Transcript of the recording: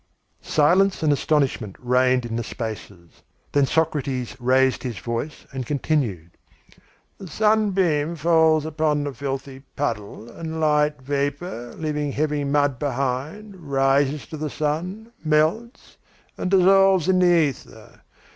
'" Silence and astonishment reigned in the spaces. Then Socrates raised his voice, and continued: "The sunbeam falls upon the filthy puddle, and light vapour, leaving heavy mud behind, rises to the sun, melts, and dissolves in the ether.